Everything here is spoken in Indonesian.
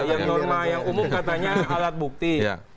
yang norma yang umum katanya alat bukti